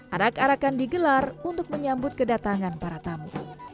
arak arakan digelar untuk menyambut kedatangan para tamu